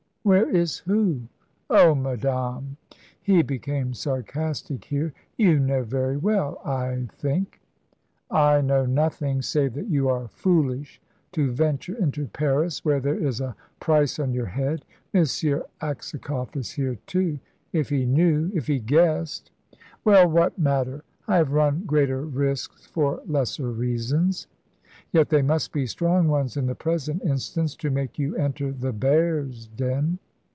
"Where is who?" "Oh, madame" he became sarcastic here "you know very well, I think." "I know nothing, save that you are foolish to venture into Paris, where there is a price on your head. M. Aksakoff is here, too; if he knew if he guessed." "Well, what matter? I have run greater risks for lesser reasons." "Yet they must be strong ones in the present instance, to make you enter the bear's den."